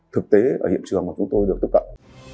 thực tế ở hiện trường mà chúng tôi được tiếp cận